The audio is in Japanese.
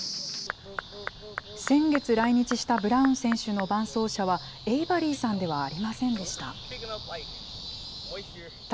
先月来日したブラウン選手の伴走者は、エイバリーさんではありませんでした。